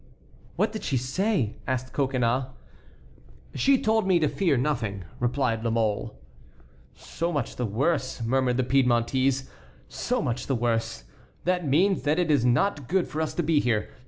"What did she say?" asked Coconnas. "She told me to fear nothing," replied La Mole. "So much the worse," murmured the Piedmontese, "so much the worse; that means that it is not good for us to be here.